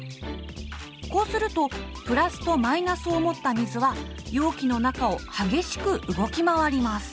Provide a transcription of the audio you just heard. こうするとプラスとマイナスを持った水は容器の中を激しく動き回ります。